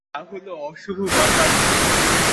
আর তা হল অশুভ বাতাস।